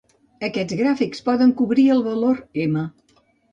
Aquests gràfics poden cobrir el valor "M"